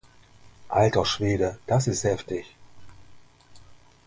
Alter Schwede, das ist heftig!